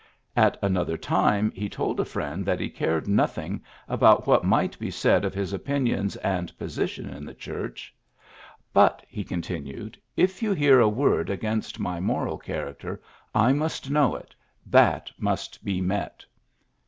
At another time he told a friend that he cared nothing about what might be said of his opinions and position in the Church j ^^but," he con PHILLIPS BROOKS 103 tinned, ^^ if you hear a word against my moral character, I must know it, that must be met."